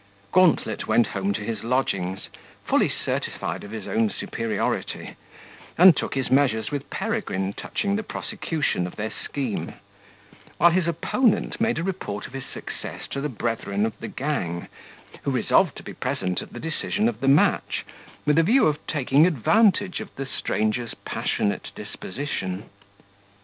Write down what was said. Gauntlet went home to his lodgings, fully certified of his own superiority, and took his measures with Peregrine, touching the prosecution of their scheme; while his opponent made a report of his success to the brethren of the gang, who resolved to be present at the decision of the match, with a view of taking advantage of the stranger's passionate disposition.